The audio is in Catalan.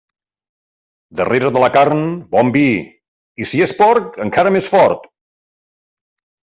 Darrere de la carn, bon vi, i si és porc, encara més fort.